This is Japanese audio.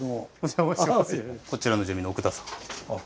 こちらの住民の奥田さん。